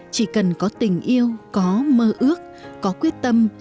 chỉ cần có tình yêu có mơ ước có quyết tâm